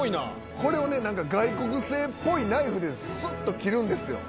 これをねなんか外国製っぽいナイフでスっと切るんですよ。